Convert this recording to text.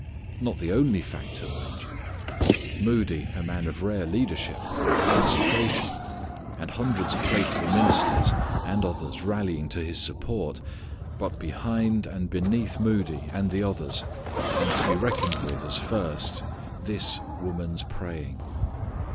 Not the only factor, mind you. Moody a man of rare leadership, and consecration, and hundreds of faithful ministers and others rallying to his support. But behind and beneath Moody and the others, and to be reckoned with as first this woman's praying.